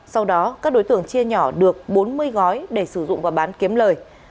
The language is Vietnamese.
sau đó các đối tượng chia nhỏ được bốn mươi gói để sử dụng và bán kiếm lời